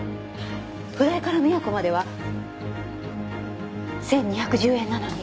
普代から宮古までは１２１０円なのに。